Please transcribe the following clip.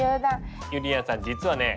ゆりやんさん実はね